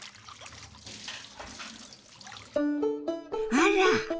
あら！